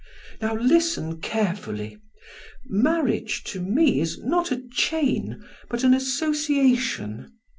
"Now listen carefully: Marriage, to me, is not a chain but an association.